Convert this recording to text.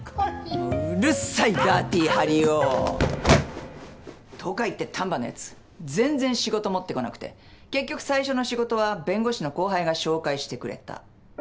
もううるさいダーティハリ男。とか言って丹波のやつ全然仕事持ってこなくて結局最初の仕事は弁護士の後輩が紹介してくれた。